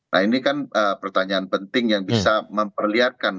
nah ini kan pertanyaan penting yang bisa memperlihatkan